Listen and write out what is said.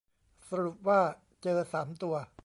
สรุปว่าเจอ สาม ตัว